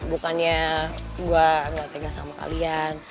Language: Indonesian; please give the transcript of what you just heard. bukannya gue gak cegah sama kalian